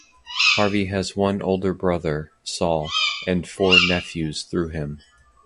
Harvey has one older brother, Saul, and four nephews through him.